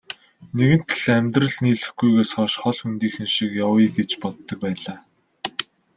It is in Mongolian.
Нэгэнт л амьдрал нийлүүлэхгүйгээс хойш хол хөндийхөн шиг явъя гэж боддог байлаа.